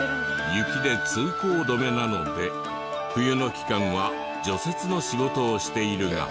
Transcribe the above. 雪で通行止めなので冬の期間は除雪の仕事をしているが。